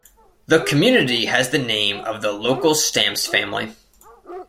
The community has the name of the local Stamps family.